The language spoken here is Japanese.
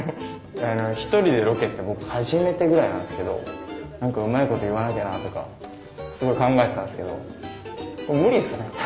１人でロケって僕初めてぐらいなんですけど何かうまいこと言わなきゃなとかすごい考えてたんですけどこれ無理っすね。